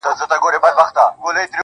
هـغــه اوس سيــمــي د تـــــه ځـــــي.